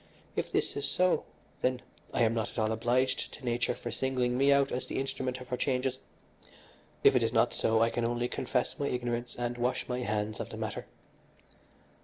If this is so, then I am not at all obliged to nature for singling me out as the instrument of her changes; if it is not so I can only confess my ignorance and wash my hands of the matter.